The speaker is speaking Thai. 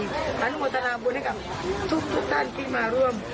อนุโมทนาบุญให้กับทุกท่านที่มาร่วม